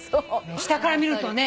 下から見るとね。